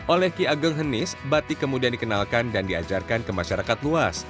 oleh ki ageng henis batik kemudian dikenalkan dan diajarkan ke masyarakat luas